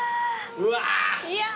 うわ。